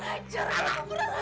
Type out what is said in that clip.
lajar rana kurang lajar